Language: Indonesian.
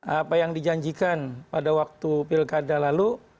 apa yang dijanjikan pada waktu pilkada lalu